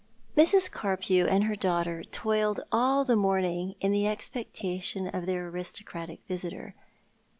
Mrs. Carpew and her daughter toiled all the morning in the expectation of their aristocratic visitor.